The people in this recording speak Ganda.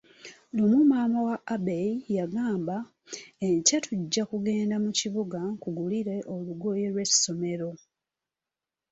Lumu maama wa Ebei yagamba, enkya tujja kugenda mu kibuga nkugulire olugoye lw'essomero.